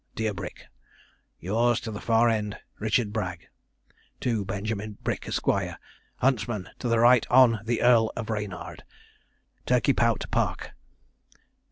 Dear Brick,' 'Yours to the far end, 'RICHARD BRAGG. 'To BENJAMIN BRICK, Esq., 'Huntsman to the Right Hon. the Earl of Reynard, 'Turkeypout Park.